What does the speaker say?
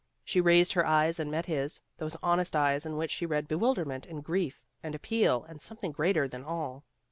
She raised her eyes and met his, those honest eyes in which she read bewilderment and grief and appeal and something greater than all.